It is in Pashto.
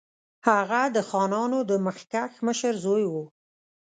هغه د خانانو د مخکښ مشر زوی وو.